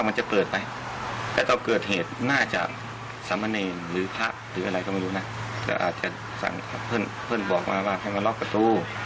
แต่อาจจะสั่งเพื่อนบอกมาว่าให้มันรอบประตู